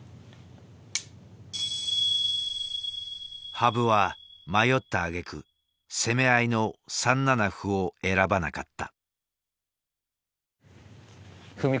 羽生は迷ったあげく攻め合いの３七歩を選ばなかった。